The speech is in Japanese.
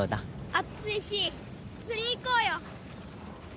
暑いし釣り行こうよ。